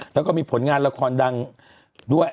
แล้วก็มีผลงานละครดังด้วย